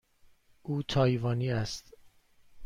او تایوانی است.